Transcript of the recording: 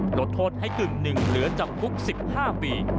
ลดโทษให้กึ่งหนึ่งเหลือจำคุก๑๕ปี